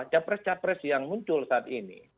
capres capres yang muncul saat ini